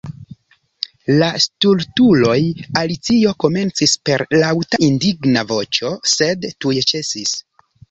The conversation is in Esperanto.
"La stultuloj!" Alicio komencis per laŭta indigna voĉo, sed tuj ĉesis.